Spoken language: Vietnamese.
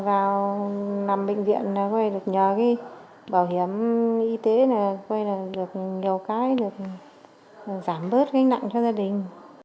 vào năm bệnh viện được nhờ bảo hiểm y tế được nhiều cái giảm bớt gánh nặng cho gia đình